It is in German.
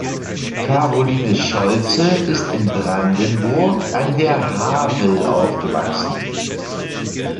Caroline Scholze ist in Brandenburg an der Havel aufgewachsen.